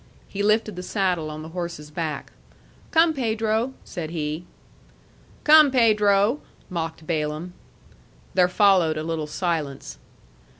He lifted the saddle on the horse's back. "Come, Pedro," said he. "Come, Pedro!" mocked Balaam. There followed a little silence.